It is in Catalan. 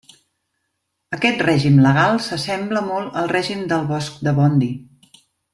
Aquest règim legal s'assembla molt al règim del bosc de Bondy!